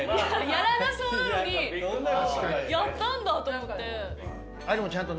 やらなそうなのにやったんだと思って。